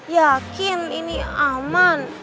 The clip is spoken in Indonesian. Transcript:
yakin ini aman